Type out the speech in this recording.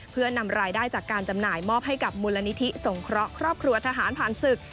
เพื่อนำรายได้จากการจำหน่ายมอบให้กับมูลนิธิสงเคราะห์ครอบครัวทหารผ่านศึก